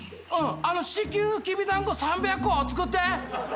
至急きびだんご３００個作って。